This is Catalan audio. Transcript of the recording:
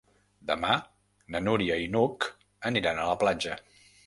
Demà na Núria i n'Hug aniran a la platja.